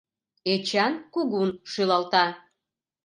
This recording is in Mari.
Эчан кугун шӱлалта.